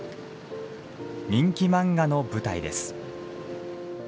人気漫画の舞台です。